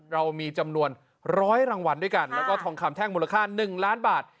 เรามีจำนวน๑๐๐รางวัลด้วยกันแล้วก็ทองคำแท่งมูลค่า๑ล้านบาท